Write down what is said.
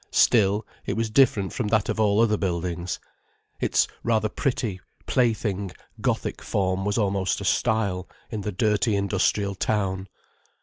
Still, it was different from that of all other buildings. Its rather pretty, plaything, Gothic form was almost a style, in the dirty industrial town.